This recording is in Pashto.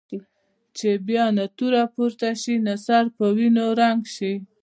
چې بیا نه توره پورته شي نه سر په وینو رنګ شي.